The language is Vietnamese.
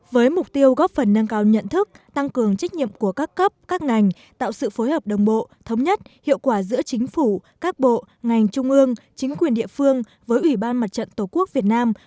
với mục tiêu góp phần nâng cao nhận thức tăng cường trách nhiệm của các cấp các ngành tạo sự phối hợp đồng bộ thống nhất hiệu quả giữa chính phủ các bộ ngành trung ương chính quyền địa phương với ủy ban mặt trận tổ quốc việt nam